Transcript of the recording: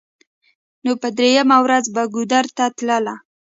نو په درېمه ورځ به ګودر ته تله.